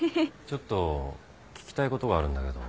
ちょっと聞きたいことがあるんだけど。